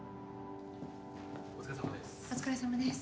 お疲れさまです。